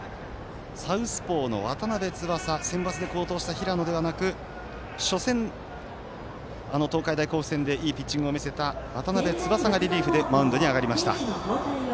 サウスポーの渡邉翼センバツで好投した平野ではなく初戦、東海大甲府戦でいいピッチングを見せた渡邉翼がリリーフでマウンドに上がりました。